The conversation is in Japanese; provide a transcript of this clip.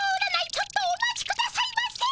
ちょっとお待ちくださいませ！